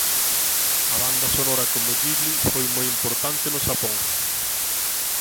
A banda sonora como Ghibli foi moi importante no Xapón.